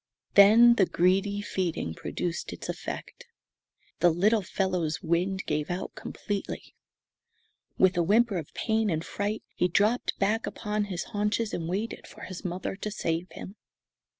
Then the greedy feeding produced its effect. The little fellow's wind gave out completely. With a whimper of pain and fright he dropped back upon his haunches and waited for his mother to save him.